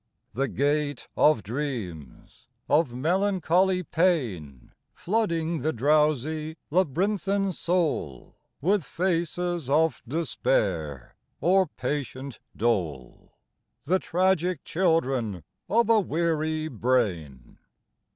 The Gate of Dreams, of melancholy pain, Flooding the drowsy labyrinthine soul With faces of despair or patient dole The tragic children of a weary brain.